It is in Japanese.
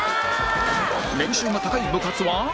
年収が高い部活は？